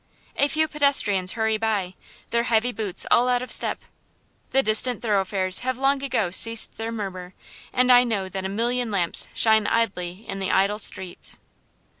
A few pedestrians hurry by, their heavy boots all out of step. The distant thoroughfares have long ago ceased their murmur, and I know that a million lamps shine idly in the idle streets.